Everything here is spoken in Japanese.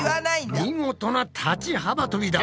見事な立ち幅とびだ。